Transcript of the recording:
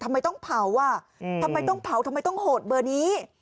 ทำไมต้องเผาอ่ะทำไมต้องเผาทำไมต้องโหดเบอร์นี้